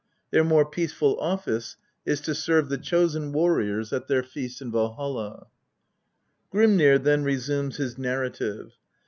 Their more peaceful office is to serve the Chosen Warriors at their feast in Valholl. Grimnir then resumes his narrative.